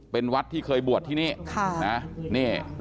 เป็นวัดที่เคยบวชที่นี่